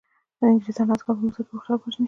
انګریزانو عسکر په مصر کې خلک وژني.